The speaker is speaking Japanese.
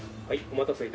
はい。